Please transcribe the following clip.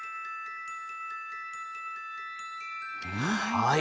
はい。